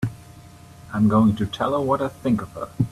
I'm going to tell her what I think of her!